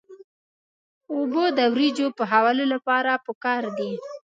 اوبه د وریجو پخولو لپاره پکار دي.